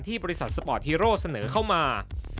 บริษัทสปอร์ตฮีโร่เสนอเข้ามา